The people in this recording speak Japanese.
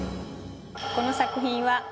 この作品は。